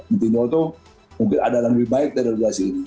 ditinjau itu mungkin adalah lebih baik dari regulasi ini